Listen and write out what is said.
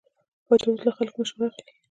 پاچا اوس له خلکو مشوره اخلي.